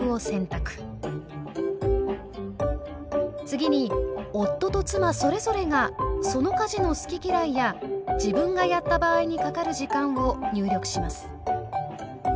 次に夫と妻それぞれがその家事の好き嫌いや自分がやった場合にかかる時間を入力します。